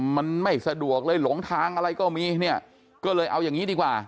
มันไม่สะดวกเลยหลงทางอะไรก็มีเนี่ยก็เลยเอาอย่างนี้ดีกว่า